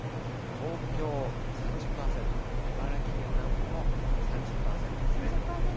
東京３０％、茨城県南部も３０％。